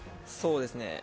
そうですね。